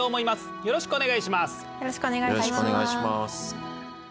よろしくお願いします。